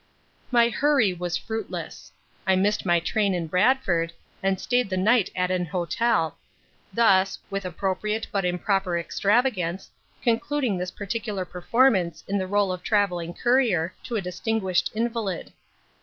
My hurry was fruitless. I missed my train in Bradford, and stayed the night at an hotel, thus (with appropriate but improper extravagance) concluding this particular performance in the rôle of travelling courier to a distinguished invalid.